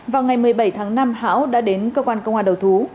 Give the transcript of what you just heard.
vào ngày một mươi bảy tháng năm hảo đã đến cơ quan công an đầu thú